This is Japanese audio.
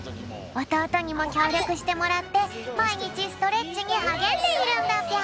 おとうとにもきょうりょくしてもらってまいにちストレッチにはげんでいるんだぴょん。